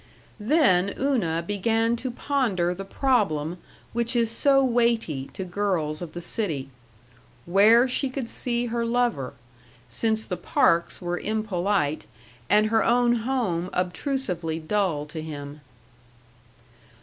Then Una began to ponder the problem which is so weighty to girls of the city where she could see her lover, since the parks were impolite and her own home obtrusively dull to him.